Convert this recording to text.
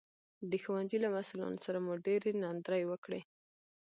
د ښوونځي له مسوولانو سره مو ډېرې ناندرۍ وکړې